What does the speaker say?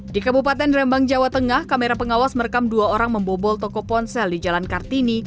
di kabupaten rembang jawa tengah kamera pengawas merekam dua orang membobol toko ponsel di jalan kartini